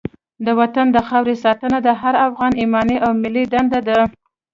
د وطن او خاورې ساتنه د هر افغان ایماني او ملي دنده ده.